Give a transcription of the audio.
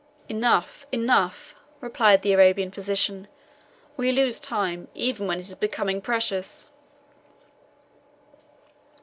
"Enough, enough," replied the Arabian physician, "we lose time even when it is becoming precious."